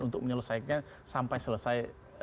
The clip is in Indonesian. untuk menyelesaikannya sampai selesai